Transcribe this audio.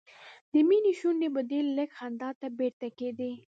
د مينې شونډې به ډېر لږ خندا ته بیرته کېدې